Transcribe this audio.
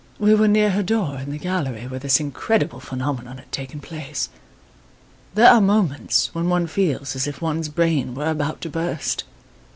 "We were near her door in the gallery where this incredible phenomenon had taken place. There are moments when one feels as if one's brain were about to burst.